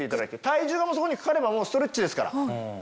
体重がそこにかかればもうストレッチですから。